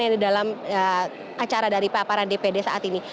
ada dalam acara dari paparan dpd saat ini